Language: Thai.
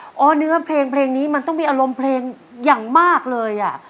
เพราะเนื้อเพลงเพลงนี้มันต้องมีอารมณ์เพลงอย่างมากเลย